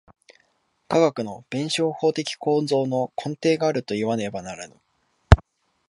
科学の弁証法的構造の根底があるといわねばならぬ。